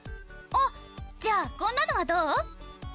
あっじゃあこんなのはどう？